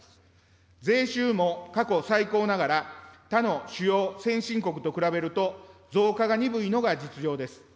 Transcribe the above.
税収も過去最高ながら他の主要先進国と比べると、増加が鈍いのが実情です。